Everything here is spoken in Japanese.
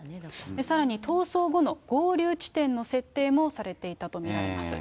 さらに逃走後の合流地点の設定もされていたと見られます。